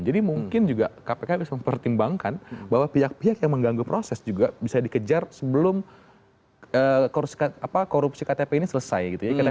jadi mungkin juga kpk bisa mempertimbangkan bahwa pihak pihak yang mengganggu proses juga bisa dikejar sebelum korupsi ktp ini selesai